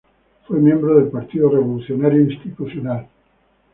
Fue miembro del Partido Revolucionario Institucional.